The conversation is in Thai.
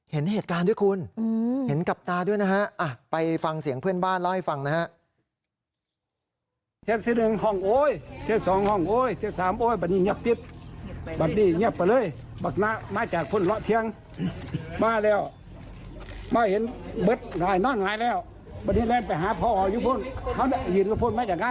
เห็นเหตุการณ์ด้วยคุณเห็นกับตาด้วยนะฮะไปฟังเสียงเพื่อนบ้านเล่าให้ฟังนะฮะ